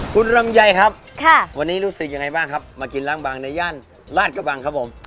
คุณลำไยครับวันนี้รู้สึกยังไงบ้างครับมากินล้างบางในย่านลาดกระบังครับผม